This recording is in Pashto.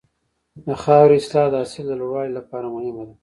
د خاورې اصلاح د حاصل د لوړوالي لپاره مهمه ده.